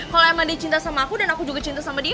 kalau emang dia cinta sama aku dan aku juga cinta sama dia